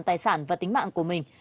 tài sản và tính mạng của mình